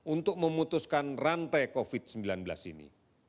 untuk memutuskan rantai covid sembilan belas ini